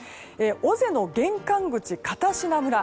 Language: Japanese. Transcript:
尾瀬の玄関口・片品村。